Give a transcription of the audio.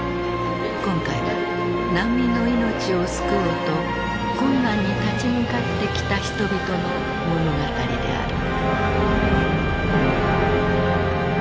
今回は難民の命を救おうと困難に立ち向かってきた人々の物語である。